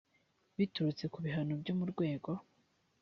biturutse ku bihano byo mu rwego